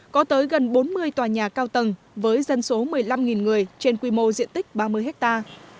có tới gần bốn mươi tòa nhà cao tầng với dân số một mươi năm người trên quy mô diện tích ba mươi hectare